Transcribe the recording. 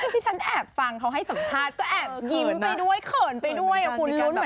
ที่ฉันแอบฟังเขาให้สัมภาษณ์ก็แอบยิ้มไปด้วยเขินไปด้วยคุณลุ้นเหมือน